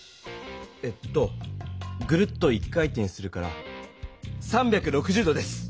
えっとグルッと一回転するから３６０度です。